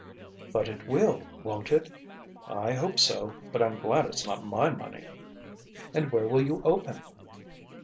"But it will, won't it?" "I hope so; but I'm glad it's not my money." "And where will you open?"